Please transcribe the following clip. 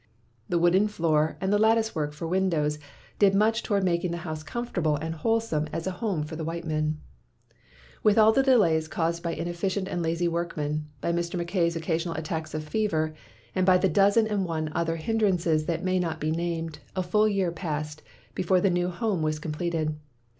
The wooden floor and the lattice work for windows did much toward making the house comfortable and wholesome as a home for the white men. With all the delays caused by inefficient and lazy workmen, by Mr. Mackay's occa sional attacks of fever, and by the dozen and one other hindrances that may not be named, a full year passed before the new home was completed.